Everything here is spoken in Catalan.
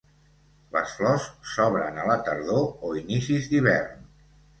Les flors s'obren a la tardor o inicis d'hivern.